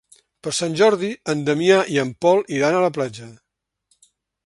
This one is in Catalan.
Per Sant Jordi en Damià i en Pol iran a la platja.